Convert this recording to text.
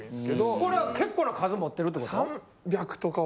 これは結構な数持ってるってこと？